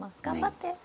頑張って。